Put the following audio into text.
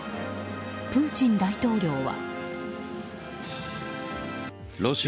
プーチン大統領は。